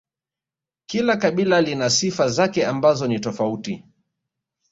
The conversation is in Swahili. kila kabila lina sifa zake ambazo ni tofauti